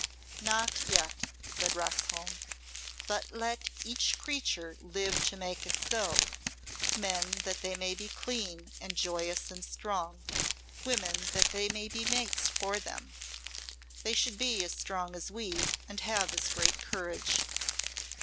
"Not yet," said Roxholm. "But let each creature live to make it so men that they may be clean and joyous and strong; women that they may be mates for them. They should be as strong as we, and have as great courage."